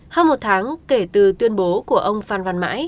hơn một tháng kể từ tuyên bố của ông phan văn mãi